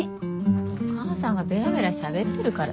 お母さんがベラベラしゃべってるからでしょ。